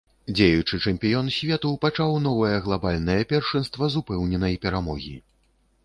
Дзеючы чэмпіён свету пачаў новае глабальнае першынства з упэўненай перамогі.